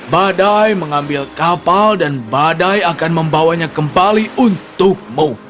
badai mengambil kapal dan badai akan membawanya kembali untukmu